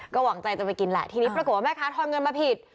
หวังใจจะไปกินแหละทีนี้ปรากฏว่าแม่ค้าทอนเงินมาผิด